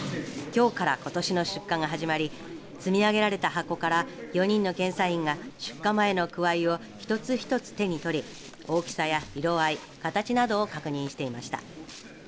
きょうからことしの出荷が始まり積み上げられた箱から４人の検査員が出荷前のくわいを一つ一つ手に取り大きさや色合い形などを確認していました。